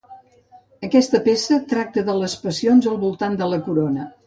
Aquesta peça tracta de les passions al voltant de la corona.